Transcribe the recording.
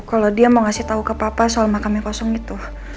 kalau dia mau ngasih tau ke papa soal makamnya kosong gitu